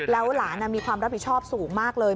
แล้วหลานมีความรับผิดชอบสูงมากเลย